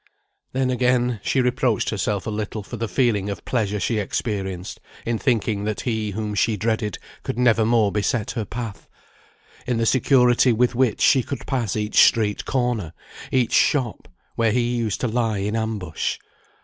Then, again, she reproached herself a little for the feeling of pleasure she experienced, in thinking that he whom she dreaded could never more beset her path; in the security with which she could pass each street corner each shop, where he used to lie in ambush.